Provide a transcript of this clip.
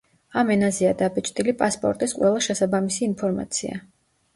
ამ ენაზეა დაბეჭდილი პასპორტის ყველა შესაბამისი ინფორმაცია.